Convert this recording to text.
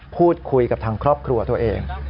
พูดคุยกับทางครอบครัวตัวเอง